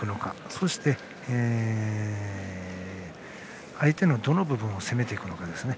そして、相手のどの部分を攻めていくのか。